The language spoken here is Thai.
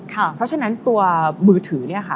เพราะฉะนั้นตัวมือถือ